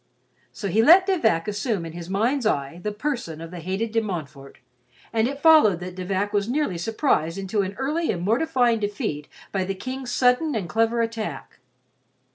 So he let De Vac assume to his mind's eye the person of the hated De Montfort, and it followed that De Vac was nearly surprised into an early and mortifying defeat by the King's sudden and clever attack.